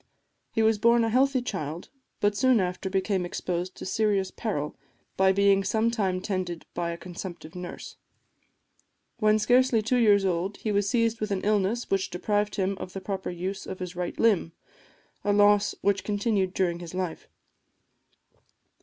He was born a healthy child, but soon after became exposed to serious peril by being some time tended by a consumptive nurse. When scarcely two years old he was seized with an illness which deprived him of the proper use of his right limb, a loss which continued during his life.